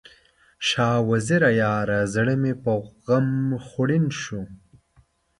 شاه وزیره یاره، زړه مې په غم خوړین شو